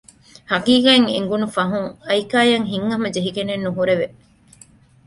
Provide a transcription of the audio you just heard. ހަޤީޤަތް އެނގުނު ފަހުން އައިކާއަށް ހިތްހަމަޖެހިގެނެއް ނުހުރެވެ